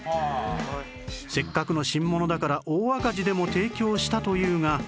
せっかくの新物だから大赤字でも提供したというが